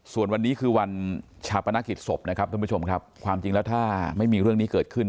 ส่วนวันนี้คือวันชาปนกิจศพนะครับท่านผู้ชมครับความจริงแล้วถ้าไม่มีเรื่องนี้เกิดขึ้น